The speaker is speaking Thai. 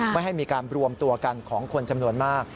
ไม่ให้มีการรวมตัวกันของคนจำนวนมาก